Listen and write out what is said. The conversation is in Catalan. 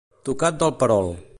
Tocat del perol.